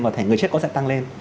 và người chết cũng sẽ tăng lên